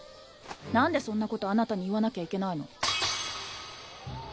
何でそんなことあなたに言わなきゃいけないの？